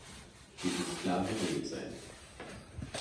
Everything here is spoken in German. Dies muss klar geregelt sein.